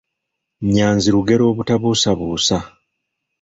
Nnyanzi lugero obutabuusabuusa